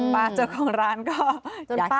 ป้าเจ้าของร้านก็อยากจะดับไปนะ